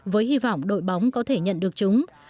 với hy vọng đội bóng có thể nhận được chúng